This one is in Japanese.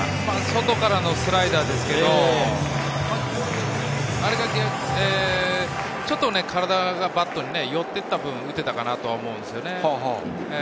外からのスライダーですけれど、ちょっと体がバットに寄っていった分、打てたかなと思うんです。